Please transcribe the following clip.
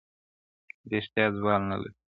ریښتیا زوال نه لري -